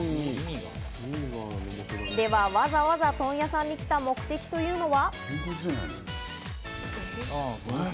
では、わざわざ問屋さんに来た目的というのは。